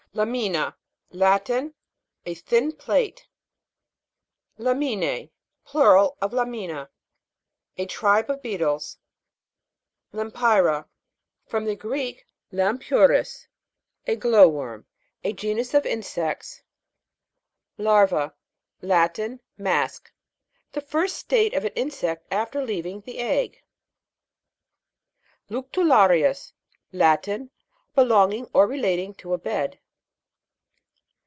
LA'MINA. Latin. A thin plate. LA'MIN^E. Plural of lamina. A tribe of beetles. LAM'PYRA. From the Greek, lam* ENTOMOLOGY. GLOSSARY. 117 puris, a glow worm. A genus of insects. LAR'VA. Latin. A mask. The first state of an insect after leaving the G SS LECTULA'RIUS. Latin. Belonging or relating to a bed.